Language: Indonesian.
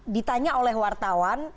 ditanya oleh wartawan